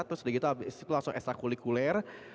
terus abis itu langsung ekstra kulikuler